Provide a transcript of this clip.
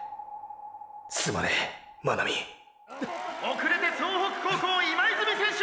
「遅れて総北高校今泉選手